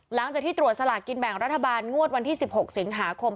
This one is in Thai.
หลังจากที่ตรวจสลากกินแบ่งรัฐบาลงวดวันที่๑๖สิงหาคม